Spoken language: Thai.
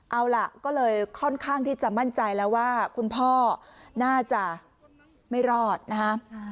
เอาล่ะก็เลยค่อนข้างที่จะมั่นใจแล้วว่าคุณพ่อน่าจะไม่รอดนะฮะ